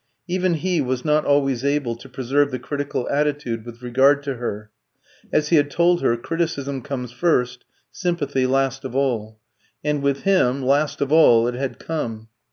Even he was not always able to preserve the critical attitude with regard to her. As he had told her, criticism comes first, sympathy last of all. And with him last of all it had come.